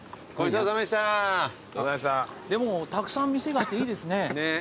たくさん店があっていいですね。